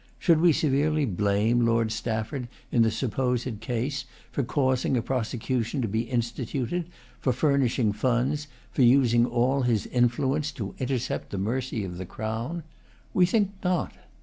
Should we severely blame Lord Stafford, in the supposed case, for causing a prosecution to be instituted, for furnishing funds, for using all his influence to intercept the mercy of the Crown? We think not.